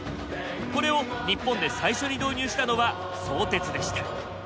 これを日本で最初に導入したのは相鉄でした。